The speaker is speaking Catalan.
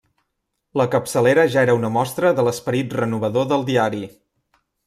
La capçalera ja era una mostra de l’esperit renovador del diari.